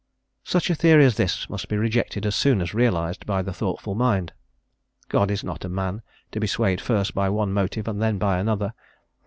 Such a theory as this must be rejected as soon as realised by the thoughtful mind. God is not a man, to be swayed first by one motive and then by another.